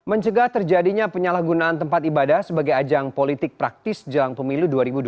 mencegah terjadinya penyalahgunaan tempat ibadah sebagai ajang politik praktis jelang pemilu dua ribu dua puluh